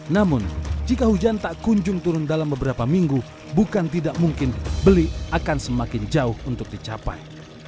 namun jika hujan tak kunjung turun dalam beberapa minggu bukan tidak mungkin beli akan semakin jauh untuk dicapai